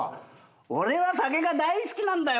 俺は酒が大好きなんだよ